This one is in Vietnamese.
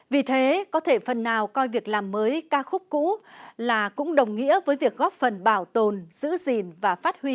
vì thế có thể phần nào coi việc làm mới ca khúc cũ là cũng đồng nghĩa với việc góp phần bảo tồn giữ gìn và phát huy